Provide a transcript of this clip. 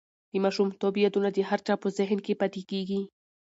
د ماشومتوب یادونه د هر چا په زهن کې پاتې کېږي.